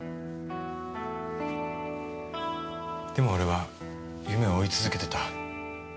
でも俺は夢を追い続けてた。